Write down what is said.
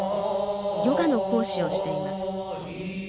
ヨガの講師をしています。